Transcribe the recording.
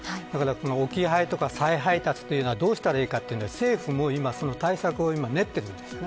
置き配や再配達はどうしたらいいか政府も対策を練っているんです。